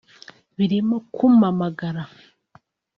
birimo kumpamagara